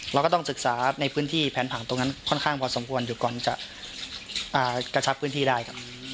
เราก็ต้องศึกษาในพื้นที่แผนผังตรงนั้นค่อนข้างพอสมควรอยู่ก่อนจะกระชับพื้นที่ได้ครับ